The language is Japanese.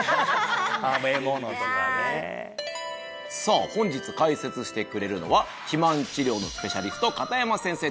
食べ物とかねさあ本日解説してくれるのは肥満治療のスペシャリスト片山先生です